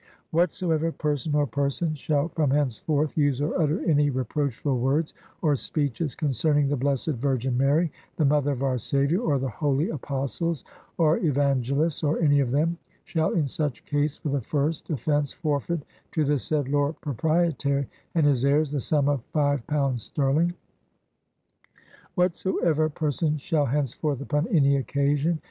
... Whatsoever person or persons shall from henceforth use or utter any reproachfuU words, or speeches, concerning the blessed Virgin Mary, the Mother of our Saviour, or the holy Apostles or Evan gelists, or any of them, shall in such case for the first offence forfeit to the said Lord Proprietary and his heires the sum of five pound sterling. ... Whatsoever person shall henceforth upon any occasion